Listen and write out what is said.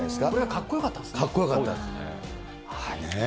かっこよかったですね。